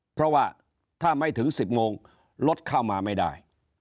เพราะว่าถ้าไม่ถึง๑๐โมงรถเข้ามาไม่ได้